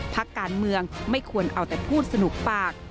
พักการเมืองไม่ควรเอาแต่พูดสนุกปาก